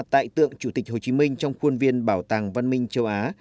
tại tượng chủ tịch hồ chí minh trong khuôn viên bảo tàng văn minh châu á